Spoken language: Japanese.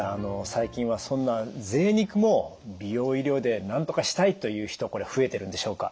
最近はそんなぜい肉も美容医療でなんとかしたいという人これ増えてるんでしょうか？